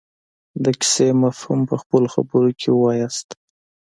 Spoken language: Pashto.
د کیسې مفهوم په خپلو خبرو کې ووايي.